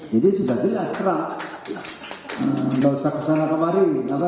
jadi sudah jelas terang tak usah kesana kemari